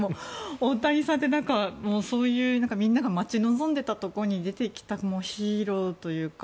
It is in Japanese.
大谷さんってみんなが待ち望んでいたところに出てきたヒーローというか。